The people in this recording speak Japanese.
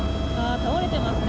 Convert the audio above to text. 倒れていますね。